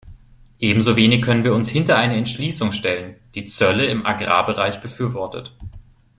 Ebenso wenig können wir uns hinter eine Entschließung stellen, die Zölle im Agrarbereich befürwortet.